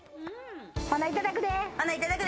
ほな、いただくで。